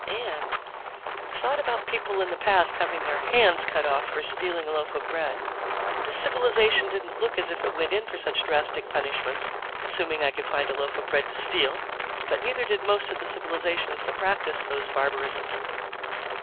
And ... I thought about people in the past having their hands cut off for stealing a loaf of bread. This civilization didn't look as if it went in for such drastic punishments, assuming I could find a loaf of bread to steal. But neither did most of the civilizations that practiced those barbarisms.